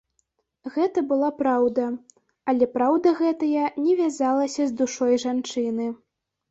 Гэта была праўда, але праўда гэтая не вязалася з душой жанчыны.